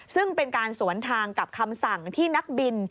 ซึ่งเป็นการสวนทางกับคำสั่งที่นักบิน